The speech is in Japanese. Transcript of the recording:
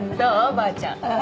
ばあちゃん